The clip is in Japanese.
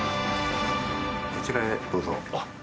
こちらへどうぞ。